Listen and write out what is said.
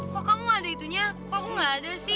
kok kamu ada itunya kok aku gak ada sih